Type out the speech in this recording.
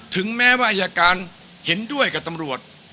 ถึงแม้ว่าอายการเห็นด้วยกับตำรวจ